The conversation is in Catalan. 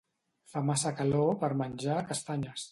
Fa massa calor per menjar castanyes.